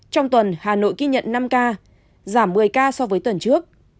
trong tuần hà nội ghi nhận năm ca giảm một mươi ca so với tuần trước